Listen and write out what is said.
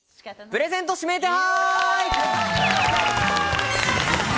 プレゼント指名手配！